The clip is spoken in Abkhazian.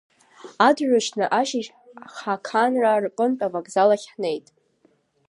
Адырҩаҽны ашьыжь Ҳақанраа рҟынтә авокзал ахь ҳнеит.